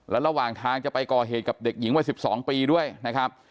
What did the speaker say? และระหว่างทางจะไปก่อเหตุกับเด็กหญิงวัย๑๒ปีด้วยนะครับ